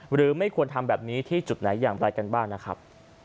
หรือไม่ควรทำแบบนี้ที่จุดไหนอย่างไรกันบ้างนะครับ